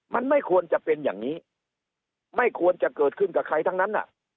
มันไม่ควรจะเป็นอย่างนี้ไม่ควรจะเกิดขึ้นกับใครทั้งนั้น